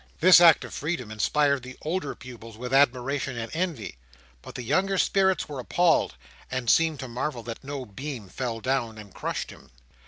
This act of freedom inspired the older pupils with admiration and envy; but the younger spirits were appalled, and seemed to marvel that no beam fell down and crushed him.